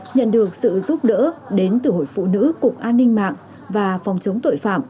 nhận được sự giúp đỡ đến từ hội phụ nữ cục an ninh mạng và phòng chống tội phạm